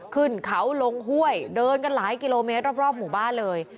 ขึ้นเขาลงห้วยเดินกันหลายกิโลเมตรรอบหมู่บ้านเลย